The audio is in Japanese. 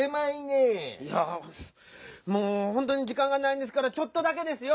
いやもうほんとにじかんがないんですからちょっとだけですよ！